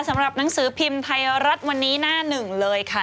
สำหรับหนังสือพิมพ์ไทยรัฐวันนี้หน้า๑เลยค่ะ